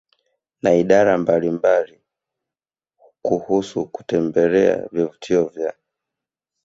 na idara mbalimbalia kuhusu kutembelea vivutio vya